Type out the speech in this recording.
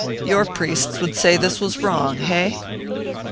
Your priests would say this was wrong hey